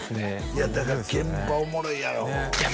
いやだから現場おもろいやろいや